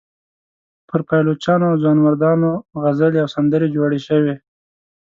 پر پایلوچانو او ځوانمردانو غزلې او سندرې جوړې شوې.